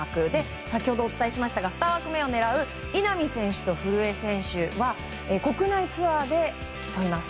先ほど、お伝えした２枠目を狙う稲見選手と古江選手は国内ツアーで競います。